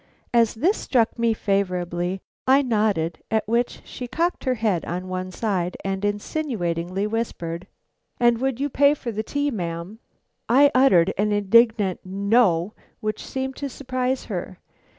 As this struck me favorably, I nodded, at which she cocked her head on one side and insinuatingly whispered: "And would you pay for the tea, ma'am?" I uttered an indignant "No!" which seemed to surprise her.